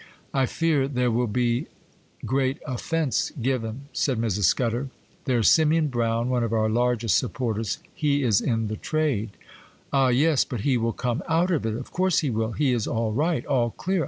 'I fear there will be great offence given,' said Mrs. Scudder. 'There's Simeon Brown, one of our largest supporters,—he is in the trade.' 'Ah, yes,—but he will come out of it,—of course he will,—he is all right, all clear.